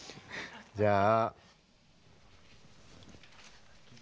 じゃあ。